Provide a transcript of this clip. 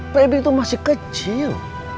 pebri tuh masih kecil